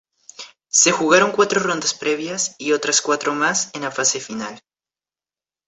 Se jugaron cuatro rondas previas y otras cuatro más en la fase final.